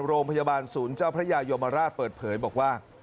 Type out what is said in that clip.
โรงพยาบาลศูนย์เจ้าพระยายมราชเปิดเผยบอกว่า